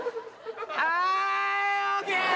あい！ＯＫ！